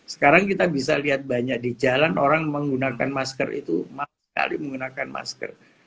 sekarang kita bisa lihat banyak di jalan orang menggunakan masker itu sekali menggunakan masker